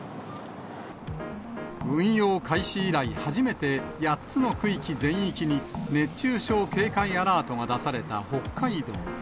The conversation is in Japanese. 運用開始以来、初めて８つの区域全域に熱中症警戒アラートが出された北海道。